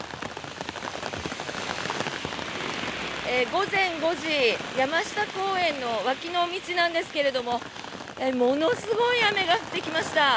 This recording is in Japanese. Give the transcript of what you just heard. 午前５時山下公園の脇の道なんですけどもものすごい雨が降ってきました。